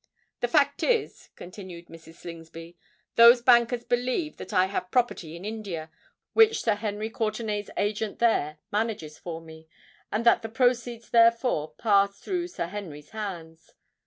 The fact is," continued Mrs. Slingsby, "those bankers believe that I have property in India, which Sir Henry Courtenay's agent there manages for me, and that the proceeds therefore pass through Sir Henry's hands.